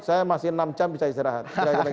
saya masih enam jam bisa istirahat